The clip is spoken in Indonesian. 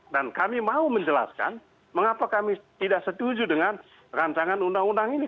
dan kami mau menjelaskan mengapa kami tidak setuju dengan rancangan undang undang ini